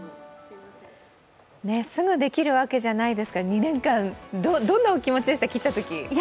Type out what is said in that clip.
すぐできるわけじゃないですから２年間、どんなお気持ちでしたか？